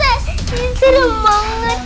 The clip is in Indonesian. ini serem banget